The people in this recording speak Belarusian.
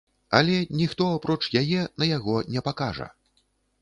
Але ніхто, апроч яе, на яго не пакажа.